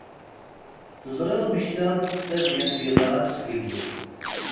Teẓriḍ mmektaɣ-d tadyant yeḍran zgelli.